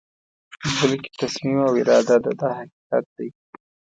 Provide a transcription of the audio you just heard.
بلکې تصمیم او اراده ده دا حقیقت دی.